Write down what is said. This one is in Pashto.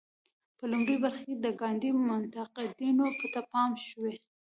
په لومړۍ برخه کې د ګاندي منتقدینو ته پام شوی.